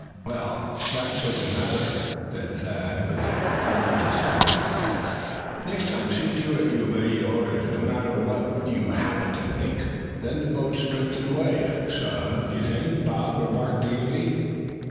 "Well, that's what's the matter," said Thad, with a look of disgust. "Next time see to it that you obey orders, no matter what you happen to think." "Then the boat's drifted away, suh, you think?" Bob remarked, eagerly.